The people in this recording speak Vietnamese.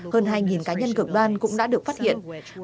hơn hai cá nhân cực đoan cũng đã được phát hiện